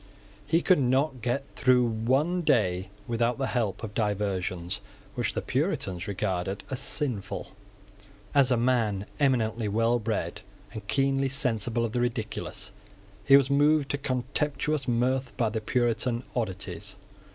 He could not get through one day without the help of diversions which the Puritans regarded as sinful. As a man eminently well bred, and keenly sensible of the ridiculous, he was moved to contemptuous mirth by the Puritan oddities.